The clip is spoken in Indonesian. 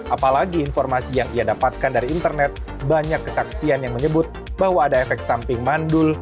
apalagi informasi yang ia dapatkan dari internet banyak kesaksian yang menyebut bahwa ada efek samping mandul